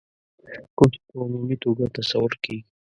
کوم چې په عمومي توګه تصور کېږي.